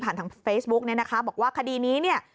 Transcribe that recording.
ผ่านทางเฟซบุ๊กนะคะบอกว่าคดีนี้เนี่ย